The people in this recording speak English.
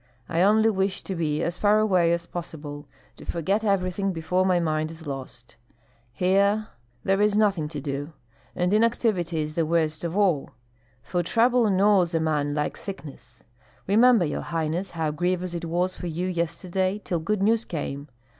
I only wish to be as far away as possible, to forget everything before my mind is lost. Here there is nothing to do; and inactivity is the worst of all, for trouble gnaws a man like sickness. Remember, your highness, how grievous it was for you yesterday till good news came.